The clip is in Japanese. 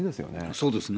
そうですね。